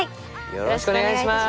よろしくお願いします。